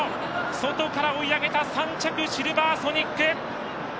外から追い上げた３着、シルヴァーソニック。